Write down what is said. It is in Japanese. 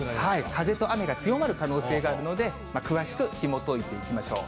風と雨が強まる可能性があるので、詳しくひもといていきましょう。